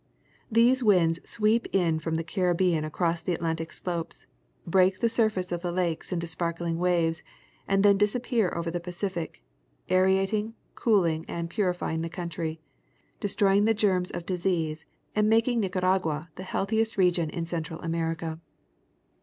These winds sweep in from the Caribbean across the Atlantic fllopes, break the surface of the lakes into sparkling waves, and then disappear over the Pacific, aerating, cooling and purifying the country, destroying the germs of disease and making Nicara gua the healthiest region in Central America.